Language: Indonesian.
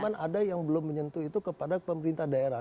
cuman ada yang belum menyentuh itu kepada pemerintah daerah